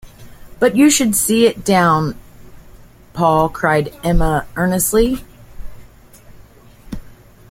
“But you should see it down, Paul,” cried Emma earnestly.